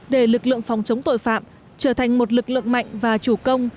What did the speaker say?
để lực lượng phòng chống tội phạm trở thành một lực lượng mạnh và chủ công